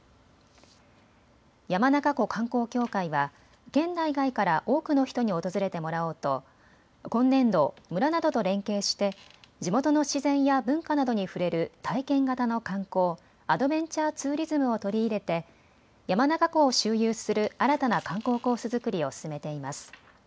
山中湖観光協会は県内外から多くの人に訪れてもらおうと今年度、村などと連携して地元の自然や文化などに触れる体験型の観光、アドベンチャーツーリズムを取り入れて山中湖を周遊する新たな観光コース作りを進めています。